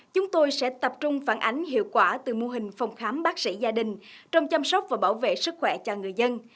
chúng tôi sẽ tập trung phản ánh hiệu quả từ mô hình phòng khám bác sĩ gia đình trong chăm sóc và bảo vệ sức khỏe cho người dân